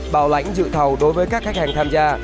bảo lãnh dự thầu đối với các khách hàng tham gia